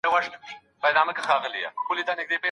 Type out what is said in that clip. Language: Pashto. ام سلمې رضی الله عنها پېغمبر ته مشوره ورکړه.